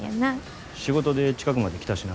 仕事で近くまで来たしな。